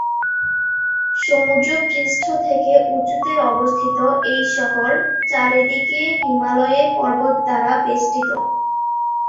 সমুদ্রপৃষ্ঠ থেকে উঁচুতে অবস্থিত এই শহর চারিদিকে হিমালয়ের পর্বত দ্বারা বেষ্টিত।